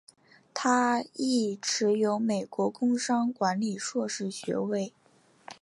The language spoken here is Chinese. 他亦持有美国工商管理硕士学位。